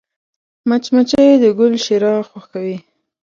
مچمچۍ د ګل شیره خوښوي